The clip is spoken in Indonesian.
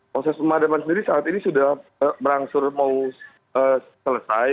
proses pemadaman sendiri saat ini sudah berangsur mau selesai